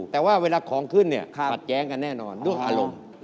แต่ว่าเวลาของขึ้นเนี่ยขัดแย้งกันแน่นอนด้วยอารมณ์